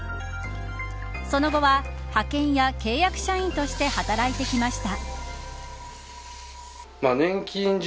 その後は派遣や契約社員として働いてきました。